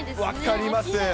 分かります。